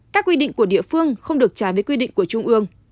các quy định của địa phương không được trái với quy định của trung ương